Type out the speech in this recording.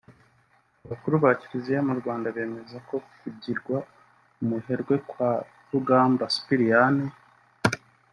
Abakuru ba Kiliziya mu Rwanda bemeza ko kugirwa umuhire kwa Rugamba Cyprien